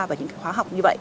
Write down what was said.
với những cái khóa học như vậy